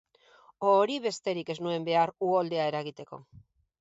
Hori besterik ez nuen behar uholdea eragiteko.